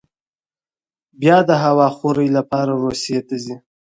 بیا د هوا خورۍ لپاره روسیې ته ځي.